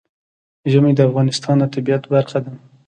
ژمی د افغانستان د طبیعت برخه ده.